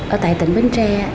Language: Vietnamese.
ở tại tỉnh bến tre